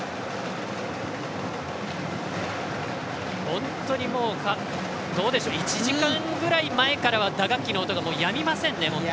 本当に、どうでしょう１時間ぐらい前からは打楽器の音がやみませんね。